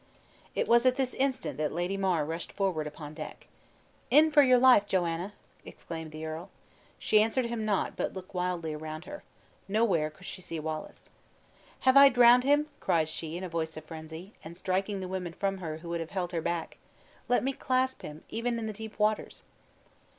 It was at this instant that Lady Mar rushed forward upon deck. "In for your life, Joanna!" exclaimed the earl. She answered him not, but looked wildly around her. Nowhere could she see Wallace. "Have I drowned him?" cried she, in a voice of frenzy, and striking the women from her, who would have held her back. "Let me clasp him, even in the deep waters!"